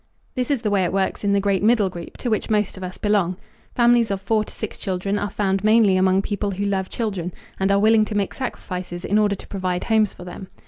This is the way it works in the great middle group to which most of us belong. Families of four to six children are found mainly among people who love children and are willing to make sacrifices in order to provide homes for them.